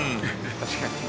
確かに。